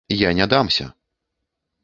я не дамся!.."